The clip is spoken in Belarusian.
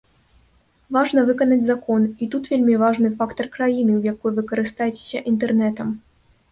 Важна выканаць закон, і тут вельмі важны фактар краіны, у якой вы карыстаецеся інтэрнэтам.